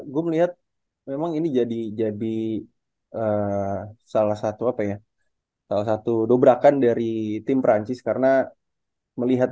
gue melihat memang ini jadi jadi salah satu apa ya salah satu dobrakan dari tim perancis karena melihat